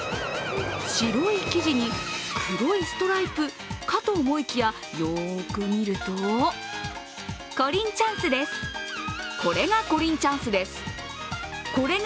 白い生地に黒いストライプかと思いきや、よく見るとコリンチャンスです。